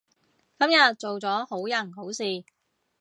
今日做咗好人好事